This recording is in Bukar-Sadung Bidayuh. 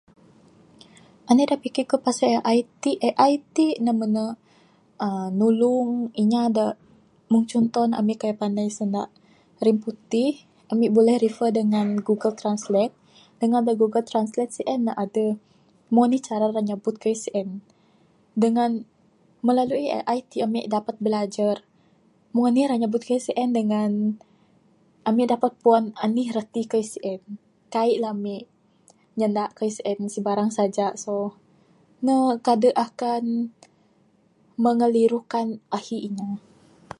Anih da pikir ku pasal AI ti, AI ti nuh mene aaa nulung inya da mung cunto nuh ami da kaii panai bisanda rimputih, ami buleh refer dengan google translate dengan da google translate sien nuh adeh mung anih cara nuh nyabut kayuh sien, dengan melalui AI ti ami dapat bilajar mung anih rak nyabut kayuh sien dengan ami dapat puan anih rati kayuh sien, kaii lah ami nyanda kayuh sien sibarang saja so nuh kade akan mengelirukan ahi inya.